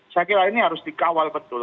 saya kira ini harus dikawal betul